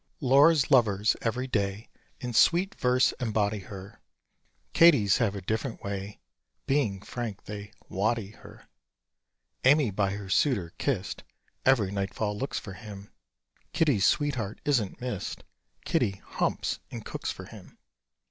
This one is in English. Laura's lovers every day In sweet verse embody her: Katie's have a different way, Being frank, they "waddy" her. Amy by her suitor kissed, Every nightfall looks for him: Kitty's sweetheart isn't missed Kitty "humps" and cooks for him.